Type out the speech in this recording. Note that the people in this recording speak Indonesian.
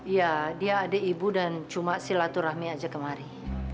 ya dia adik ibu dan cuma silaturahmi aja kemari